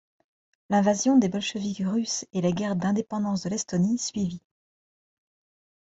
L'invasion des bolcheviks russes et la guerre d’indépendance de l'Estonie suivit.